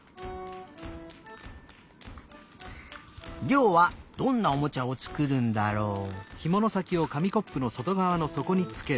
りょうはどんなおもちゃをつくるんだろう？